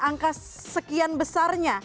angka sekian besarnya